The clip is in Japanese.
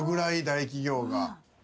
大企業が。